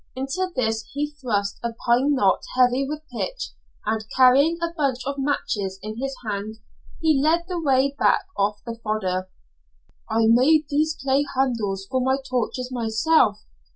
Into this he thrust a pine knot heavy with pitch, and, carrying a bunch of matches in his hand, he led the way back of the fodder. "I made these clay handles for my torches myself.